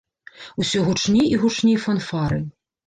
Усё гучней і гучней фанфары.